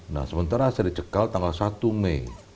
nah sementara saya dicekal tanggal satu mei